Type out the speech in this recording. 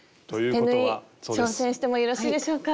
手縫い挑戦してもよろしいでしょうか？